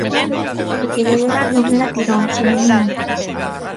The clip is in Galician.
O que lle dera non era tirón, senón un ictus.